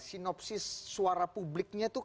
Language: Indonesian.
sinopsis suara publiknya tuh